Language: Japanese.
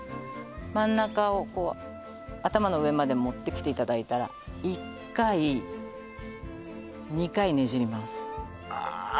真ん中を頭の上まで持ってきていただいたら１回２回ねじりますああ